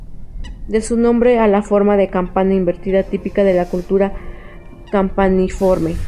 Debe su nombre a la forma de campana invertida típica de la cultura campaniforme.